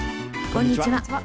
こんにちは。